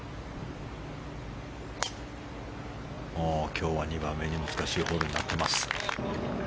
今日は２番目に難しいホールになってます。